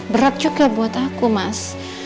berat juga buat aku mas